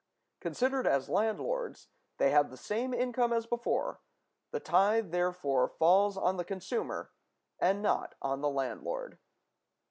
Considered as landlords, they have the same income as before; the tithe, therefore, falls on the consumer, and not on the landlord.